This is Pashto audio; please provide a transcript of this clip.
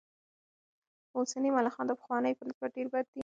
اوسني ملخان د پخوانیو په نسبت ډېر بد دي.